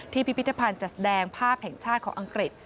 พิพิธภัณฑ์จัดแสดงภาพแห่งชาติของอังกฤษ